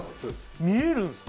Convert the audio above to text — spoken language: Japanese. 見えるんすか？